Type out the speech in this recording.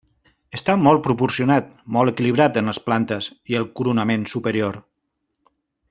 Està molt proporcionat, molt equilibrat en les plantes i el coronament superior.